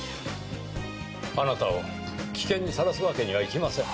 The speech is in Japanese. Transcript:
あなたを危険にさらすわけにはいきません。